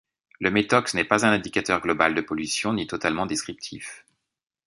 Le métox n'est pas un indicateur global de pollution, ni totalement descriptif.